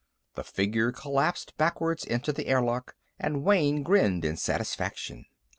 The figure collapsed backwards into the airlock, and Wayne grinned in satisfaction.